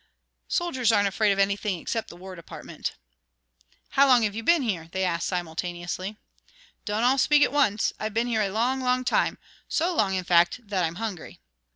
"Soldiers aren't afraid of anything except the War Department." "How long have you been here?" they asked simultaneously. "Don't all speak at once. I've been here a long, long time so long, in fact, that I'm hungry."